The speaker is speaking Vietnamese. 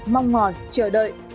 mong ngòi chờ đợi